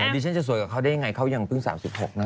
ดิฉันจะสวยกว่าเขาได้ยังไงเขายังเพิ่ง๓๖นะ